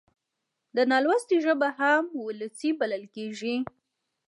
د نالوستي ژبه هم وولسي بلل کېږي.